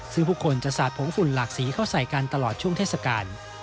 ซึ่งผู้คนจะสาดผงฝุ่นหลากสีเข้าใส่กันตลอดช่วงเทศกาล